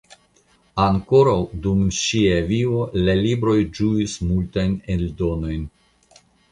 Ankoraŭ dum ŝia vivo la libroj ĝuis multajn eldonojn.